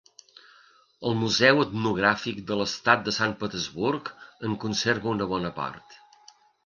El Museu Etnogràfic de l'Estat de Sant Petersburg en conserva una bona part.